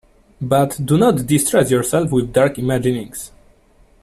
But do not distress yourself with dark imaginings.